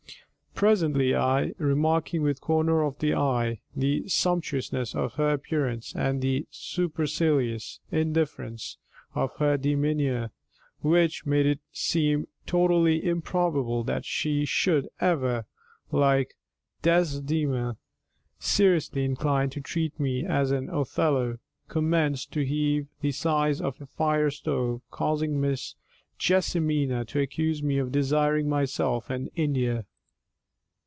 Presently I, remarking with corner of eye the sumptuousness of her appearance, and the supercilious indifference of her demeanour, which made it seem totally improbable that she should ever, like Desdemona, seriously incline to treat me as an Othello, commenced to heave the sighs of a fire stove, causing Miss JESSIMINA to accuse me of desiring myself in India.